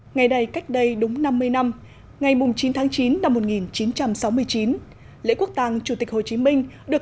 ngày đây cách đây đúng năm mươi năm ngày chín tháng chín năm một nghìn chín trăm sáu mươi chín lễ quốc tàng chủ tịch hồ chí minh được